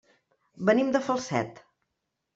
Venim de Falset.